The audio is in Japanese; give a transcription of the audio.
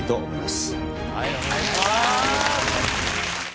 はいお願いします！